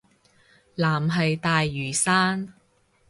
藍係大嶼山